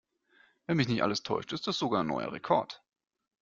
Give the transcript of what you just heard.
Wenn mich nicht alles täuscht, ist das sogar ein neuer Rekord.